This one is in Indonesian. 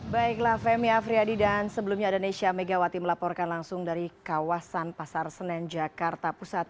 baiklah femi afriyadi dan sebelumnya ada nesya megawati melaporkan langsung dari kawasan pasar senen jakarta pusat